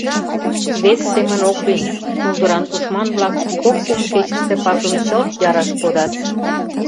Вес семын ок лий: шулдыран тушман-влак кок-кум кечыште пасум чылт яраш кодат.